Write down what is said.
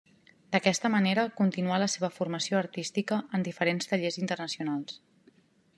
D’aquesta manera continuà la seva formació artística en diferents tallers internacionals.